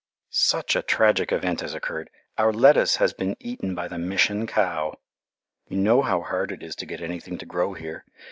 Such a tragic event has occurred. Our lettuce has been eaten by the Mission cow! You know how hard it is to get anything to grow here.